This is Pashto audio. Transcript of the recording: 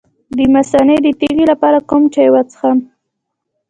د مثانې د تیږې لپاره کوم چای وڅښم؟